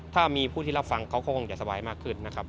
ถ้ามีผู้ที่รับฟังเขาก็คงจะสบายมากขึ้นนะครับ